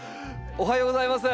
おはようございます。